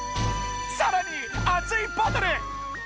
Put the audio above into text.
さらに熱いバトル！